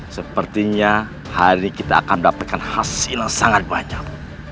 sepertinya hari kita akan mendapatkan hasil yang sangat banyak